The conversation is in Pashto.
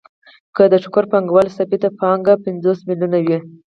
که د ټوکر پانګوال ثابته پانګه پنځوس میلیونه وي